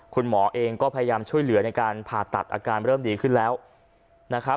คุณหมอเองก็พยายามช่วยเหลือในการผ่าตัดอาการเริ่มดีขึ้นแล้วนะครับ